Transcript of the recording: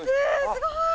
すごい！